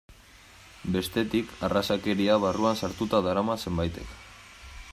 Bestetik, arrazakeria barruan sartuta darama zenbaitek.